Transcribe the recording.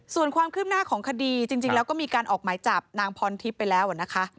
ส่วนความคืบหน้าของคดีจริงแล้วก็มีการออกหมายจับนางพรทิพย์ไปแล้วนะคะ